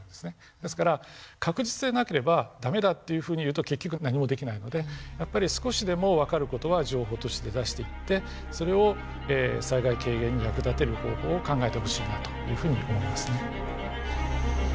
ですから確実でなければ駄目だっていうふうに言うと結局何もできないのでやっぱり少しでも分かる事は情報として出していってそれを災害軽減に役立てる方法を考えてほしいなというふうに思いますね。